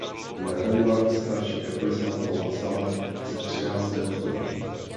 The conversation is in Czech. Nahradila starší kapli svatého Václava ze třináctého století.